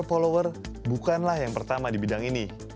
follower bukanlah yang pertama di bidang ini